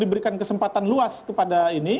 diberikan kesempatan luas kepada ini